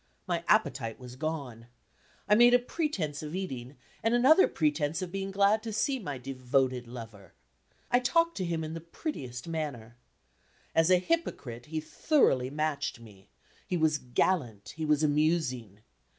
My appetite was gone. I made a pretense of eating, and another pretense of being glad to see my devoted lover. I talked to him in the prettiest manner. As a hypocrite, he thoroughly matched me; he was gallant, he was amusing.